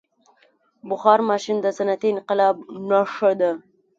• بخار ماشین د صنعتي انقلاب نښه ده.